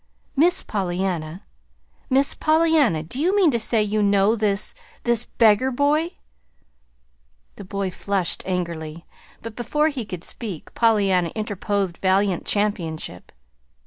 "Miss Pollyanna, Miss Pollyanna, do you mean to say you know this this beggar boy?" The boy flushed angrily; but before he could speak Pollyanna interposed valiant championship.